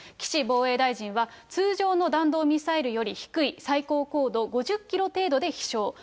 岸防衛大臣は、通常の弾道ミサイルより低い最高高度５０キロ程度で飛しょう。